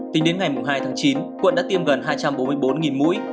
tính đến ngày hai tháng chín quận đã tiêm gần hai trăm bốn mươi bốn mũi